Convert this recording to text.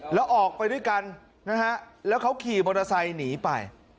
แล้วออกไปด้วยกันนะฮะแล้วเขาขี่มอเตอร์ไซค์หนีไป